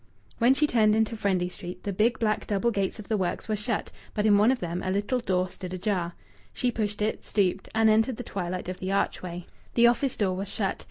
When she turned into Friendly Street the big black double gates of the works were shut, but in one of them a little door stood ajar. She pushed it, stooped, and entered the twilight of the archway. The office door was shut.